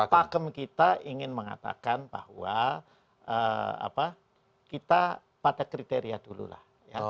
pakem kita ingin mengatakan bahwa kita pada kriteria dululah